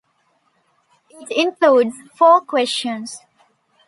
It includes four questions.